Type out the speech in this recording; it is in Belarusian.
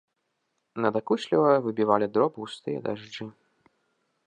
Надакучліва выбівалі дроб густыя дажджы.